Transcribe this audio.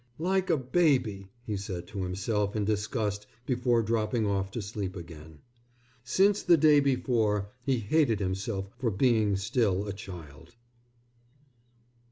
"Like a baby," he said to himself in disgust before dropping off to sleep again. Since the day before he hated himself for being still a child.